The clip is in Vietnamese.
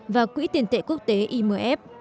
và quỹ tiền tệ quốc tế imf